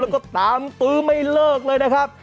แล้วก็ตามตื้อไม่เลิกเลยนะครับ